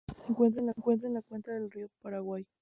Se encuentra en la cuenca del río Paraguay.